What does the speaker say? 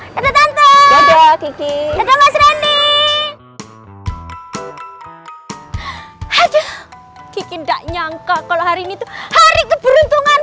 salam tante tante kiki ada mas rendy aduh kiki ndak nyangka kalau hari ini tuh hari keberuntungan